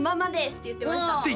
「って言ってました」